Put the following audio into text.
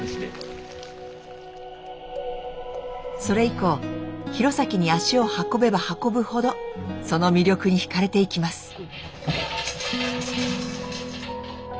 それ以降弘前に足を運べば運ぶほどその魅力にひかれていきます。